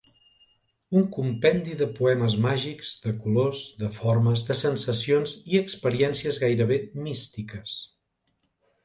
Un compendi de poemes màgics, de colors, de formes, de sensacions i experiències gairebé místiques.